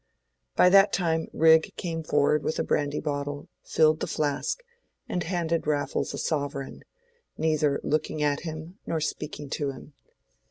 By that time Rigg came forward with a brandy bottle, filled the flask, and handed Raffles a sovereign, neither looking at him nor speaking to him.